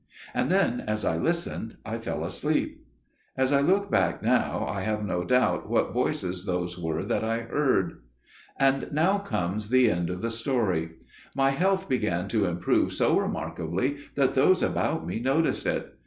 And then as I listened I fell asleep. As I look back now, I have no doubt what voices those were that I heard. "And now comes the end of the story. My health began to improve so remarkably that those about me noticed it.